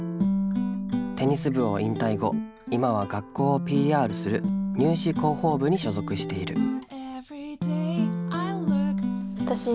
テニス部を引退後今は学校をＰＲする入試広報部に所属している。